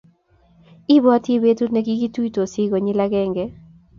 Ibwoti betut negigituisoti konyil agenge